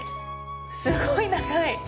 すごい長い！